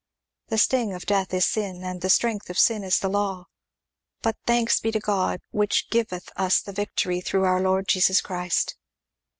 The sting of death is sin, and the strength of sin is the law. But thanks be to God, which giveth us the victory through our Lord Jesus Christ."